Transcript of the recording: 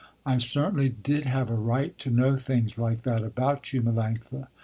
I certainly did have a right to know things like that about you, Melanctha.